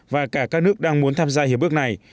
và cả các nước đang muốn tham gia hiệp ước này